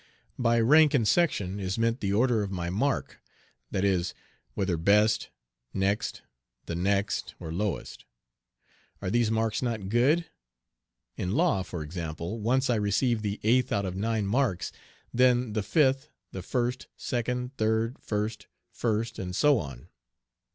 By rank in section is meant the order of my mark that is, whether best, next, the next, or lowest. Are these marks not good? In law, for example, once I received the eighth out of nine marks, then the fifth, the first, second, third, first, first, and so on.